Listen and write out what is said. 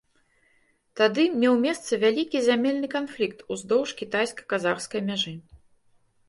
Тады меў месца вялікі зямельны канфлікт уздоўж кітайска-казахскай мяжы.